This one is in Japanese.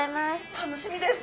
楽しみです。